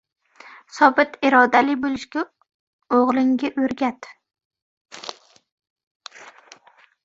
– sobit irodali bo‘lishga o'g'lingga o'rgat;